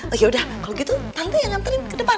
oh ya udah kalau gitu tante ya nganterin ke depan